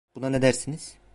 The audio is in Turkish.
Buna ne dersiniz?